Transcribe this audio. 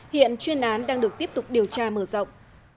hiện chuyên án đang được tiếp tục điều tra mở rộng